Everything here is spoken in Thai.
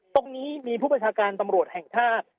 ตรงนี้มีผู้ประชาการตำรวจแห่งชาติ